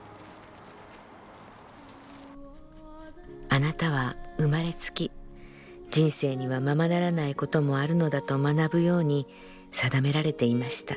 「あなたは生まれつき人生にはままならないこともあるのだと学ぶように定められていました。